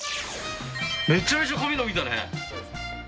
めちゃめちゃ髪伸びたね。